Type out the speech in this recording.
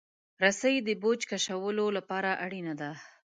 رسۍ د بوج د کشولو لپاره اړینه ده.